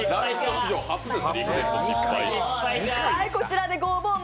史上初です。